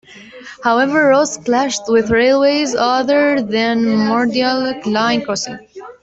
However Ross clashed with Railways over the Mordialloc line crossing.